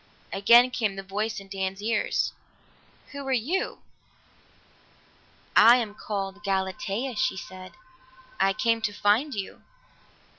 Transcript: Again came the voice in Dan's ears. "Who are you?" "I am called Galatea," she said. "I came to find you."